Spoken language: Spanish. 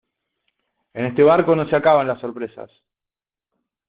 en este barco no se acaban las sorpresas.